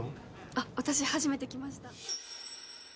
あっ私初めて来ました